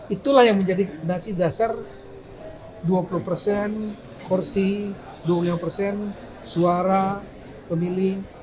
itulah yang menjadi nasi dasar dua puluh persen kursi dua puluh lima persen suara pemilih